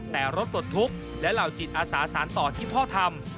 แต่รถปลดทุกข์และเหล่าจิตอาสาสารต่อที่พ่อทำ